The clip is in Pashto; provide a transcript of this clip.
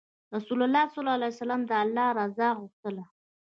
رسول الله ﷺ الله رضا غوښتله.